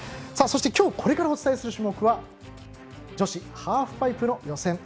そして今日これからお伝えする種目は女子ハーフパイプの予選。